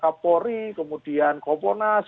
kapolri kemudian komponas